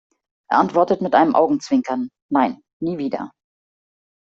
Er antwortet mit einem Augenzwinkern "„Nein, nie wieder“".